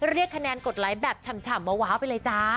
เรียกคะแนนกดไลค์แบบฉ่ำว้าวไปเลยจ้า